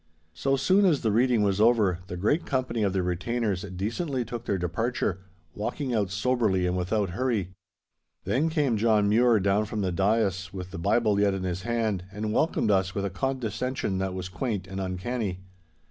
So soon as the reading was over, the great company of the retainers decently took their departure, walking out soberly and without hurry. Then came John Mure down from the dais with the Bible yet in his hand, and welcomed us with a condescension that was quaint and uncanny.